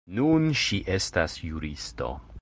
Nun ŝi estas juristo.